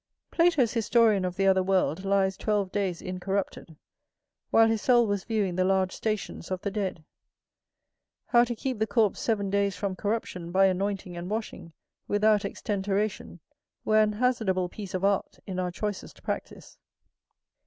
Plato's historian of the other world lies twelve days incorrupted, while his soul was viewing the large stations of the dead. How to keep the corpse seven days from corruption by anointing and washing, without extenteration, were an hazardable piece of art, in our choicest practice.